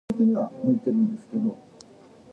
Not a complete list.